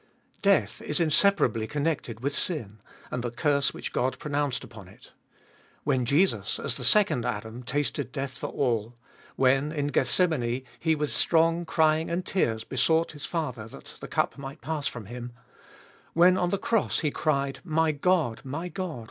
Death is inseparably connected with sin, and the curse which God pronounced upon it. When Jesus, as the Second Adam, tasted death for all ; when, in Gethsemane, He with strong crying and tears besought His Father that the cup might pass from Him; when on the cross He cried, My God! My God!